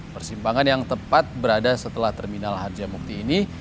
persimpangan yang tepat berada setelah terminal harjamukti ini